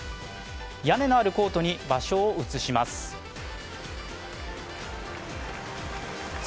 屋根のあるコートに場所を移します。